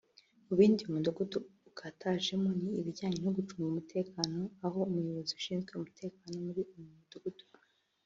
Mu bindi uyu mudugudu ukatajemo ni ibijyanye no gucunga umutekano aho umuyobozi ushinzwe umutekano muri uyu mudugudu